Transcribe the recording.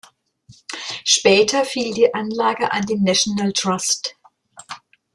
Später fiel die Anlage an den National Trust.